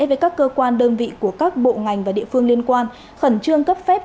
với các cơ quan đơn vị của các bộ ngành và địa phương liên quan khẩn trương cấp phép